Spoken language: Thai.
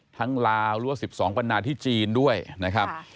ทั้งลาวรั่ว๑๒บรรณาที่จีนด้วยนะครับ